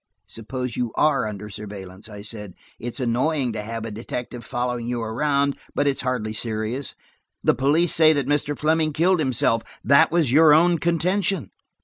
"Suppose you are under surveillance," I said. "It's annoying to have a detective following you around, but it's hardly serious. The police say now that Mr. Fleming killed himself; that was your own contention."